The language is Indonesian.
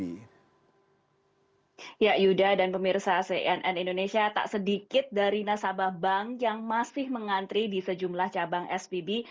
ya yuda dan pemirsa cnn indonesia tak sedikit dari nasabah bank yang masih mengantri di sejumlah cabang spb